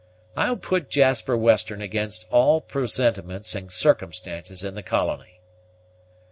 I'll put Jasper Western against all the presentiments and circumstances in the colony."